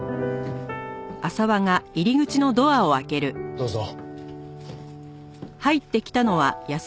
どうぞ。